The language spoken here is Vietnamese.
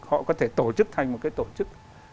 họ có thể tổ chức thành một cái tổ chức